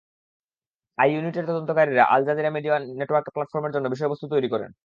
আই-ইউনিটের তদন্তকারীরা Al Jazeera media network প্ল্যাটফর্মের জন্য বিষয়বস্তু তৈরি করেন।